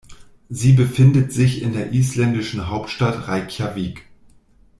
Sie befindet sich in der isländischen Hauptstadt Reykjavík.